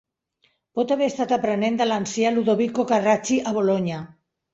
Pot haver estat aprenent de l'ancià Ludovico Carracci a Bolonya.